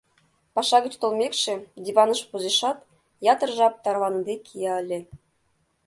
Паша гыч толмекше, диваныш возешат, ятыр жап тарваныде кия ыле.